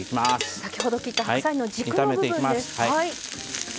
先ほど切った白菜の軸の部分です。